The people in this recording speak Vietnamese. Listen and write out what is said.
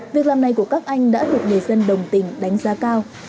việc làm này của các anh đã được người dân đồng tình đánh giá cao